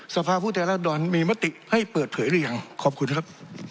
สภาพผู้แทนรัฐดรมีมติให้เปิดเผยหรือยังขอบคุณครับ